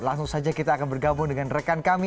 langsung saja kita akan bergabung dengan rekan kami